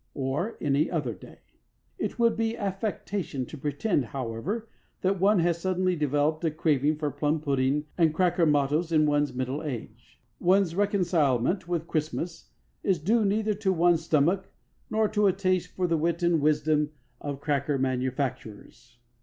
Or on any other day. It would be affectation to pretend, however, that one has suddenly developed a craving for plum pudding and cracker mottoes in one's middle age. One's reconcilement with Christmas is due neither to one's stomach nor to a taste for the wit and wisdom of cracker manufacturers.